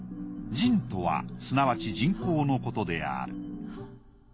沈水とはすなわち沈香のことである。